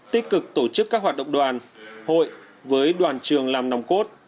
tích cực tổ chức các hoạt động đoàn hội với đoàn trường làm nòng cốt